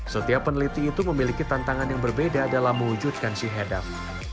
setiap peneliti itu memiliki tantangan yang berbeda dalam mewujudkan si hedav